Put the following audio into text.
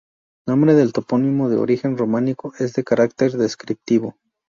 Nombre del topónimo de origen románico, es de carácter descriptivo.